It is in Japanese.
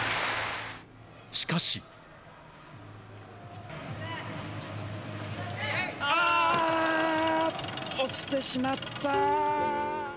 しかし。落ちてしまった！